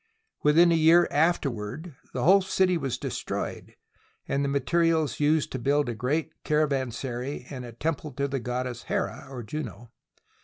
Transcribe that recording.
Within a year afterward the whole city was de stroyed and the materials used to build a great caravansary and a temple to the goddess Hera, or Juno.